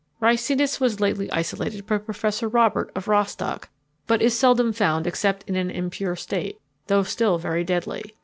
Ricinus was lately isolated by Professor Robert, of Rostock, but is seldom found except in an impure state, though still very deadly.